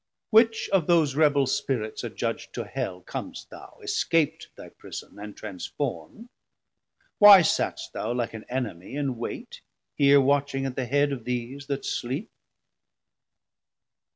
Which of those rebell Spirits adjudg'd to Hell Com'st thou, escap'd thy prison, and transform'd, Why satst thou like an enemie in waite Here watching at the head of these that sleep?